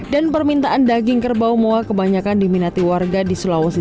dan permintaan daging kerbau moa kebanyakan diminati warga di sulawesi